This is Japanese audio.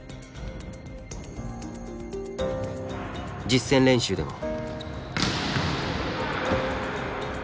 実戦練習でも。